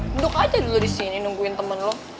duduk aja dulu disini nungguin temen lo